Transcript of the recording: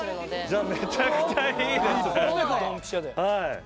じゃあめちゃくちゃいいですね。